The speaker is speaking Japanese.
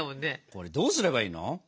これどうすればいいの？